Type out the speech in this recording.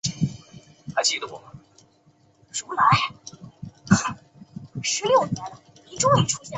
泽番椒为玄参科泽番椒属下的一个种。